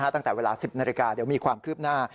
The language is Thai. ตั้งแต่เวลา๑๐นาฬิกาเดี๋ยวมีความคืบหน้า